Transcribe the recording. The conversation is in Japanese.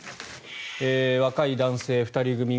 若い男性２人組が